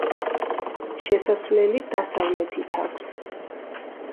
შესასვლელი დასავლეთით აქვს.